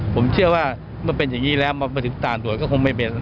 ผมเชื่อว่ามันเป็นอย่างนี้แล้วมันประสิทธิตามส่วยก็คงไม่มีอะไรนะครับ